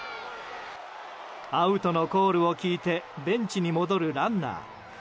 アウトのコールを聞いてベンチに戻るランナー。